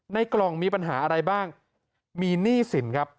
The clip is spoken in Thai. กล่องมีปัญหาอะไรบ้างมีหนี้สินครับ